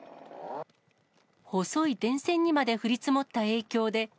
細い電線にまで降り積もった影響で。